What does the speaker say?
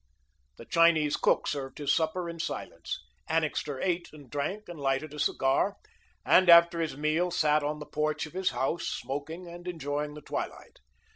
The Chinese cook served his supper in silence. Annixter ate and drank and lighted a cigar, and after his meal sat on the porch of his house, smoking and enjoying the twilight.